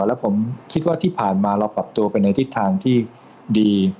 แล้วผมคิดว่าที่ผ่านมาเราปรับตัวไปในทิศทางที่ดี